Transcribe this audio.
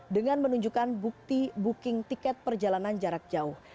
dengan menunjukkan bukti booking tiket perjalanan jarak jauh